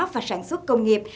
và sản xuất công nghiệp